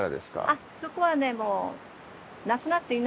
あっそこはねもう。